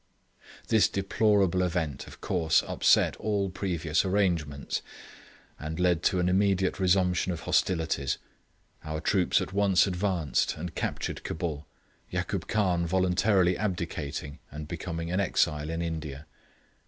This deplorable event, of course, upset all previous arrangements, and led to an immediate resumption of hostilities. Our troops at once advanced and captured Cabul, Yakoob Khan voluntarily abdicating and becoming an exile in India.